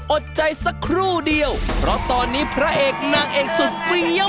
อบเตอร์มหาสนุกกลับมาสร้างความสนานครื้นเครงพร้อมกับแขกรับเชิง